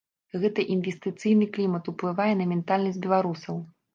Гэта інвестыцыйны клімат уплывае на ментальнасць беларусаў.